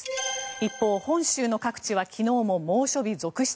一方、本州の各地は昨日も猛暑日続出。